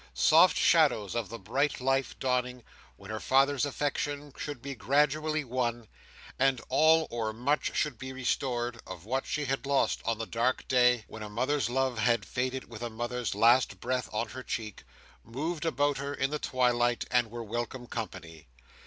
Soft shadows of the bright life dawning, when her father's affection should be gradually won, and all, or much should be restored, of what she had lost on the dark day when a mother's love had faded with a mother's last breath on her cheek, moved about her in the twilight and were welcome company.